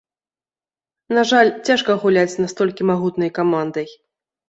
На жаль, цяжка гуляць з настолькі магутнай камандай.